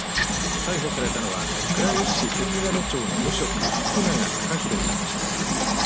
逮捕されたのは倉吉市関金町の無職福永孝浩容疑者です。